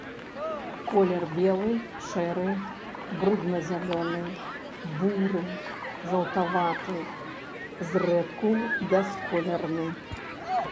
Колер белы, шэры, брудна-зялёны, буры, жаўтаваты, зрэдку бясколерны.